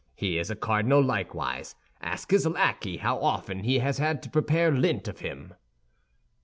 He is a cardinal likewise. Ask his lackey how often he has had to prepare lint of him."